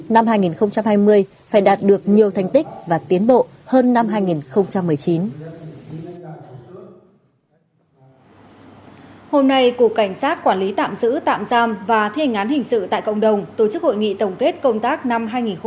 năm hai nghìn hai mươi phải đạt được nhiều thành tích và tiến bộ hơn năm hai nghìn một mươi chín